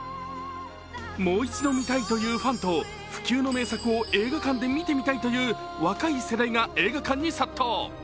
もう一度見たいというファンと不朽の名作を映画館で見てみたいという若い世代が映画館に殺到。